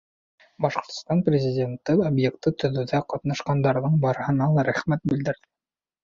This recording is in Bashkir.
Башҡортостан Президенты объектты төҙөүҙә ҡатнашҡандарҙың барыһына ла рәхмәт белдерҙе.